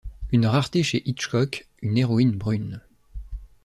Une rareté chez Hitchock, une héroïne brune.